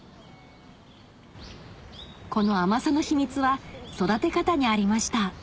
この甘さの秘密は育て方にありました